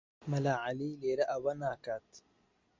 مەلا عەلی لێرە ئەوە ناکات.